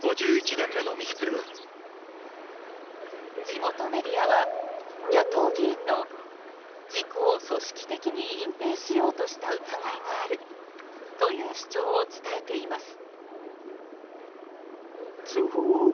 地元メディアは、野党議員の事故を組織的に隠ぺいしようとした疑いがあるという主張を伝えています。